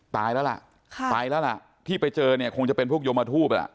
ตายแล้วล่ะตายแล้วล่ะที่ไปเจอเนี่ยคงจะเป็นพวกโยมทูปล่ะ